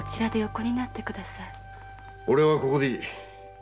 俺はここでいい。